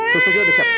susunya udah siap